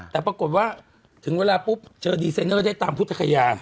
แต่ปรากฏว่าถึงเวลาปุ๊บเจอดีไซเนอร์ได้ตามพุทธคยา